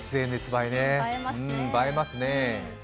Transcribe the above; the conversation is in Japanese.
映えますね。